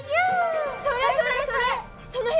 それそれそれ！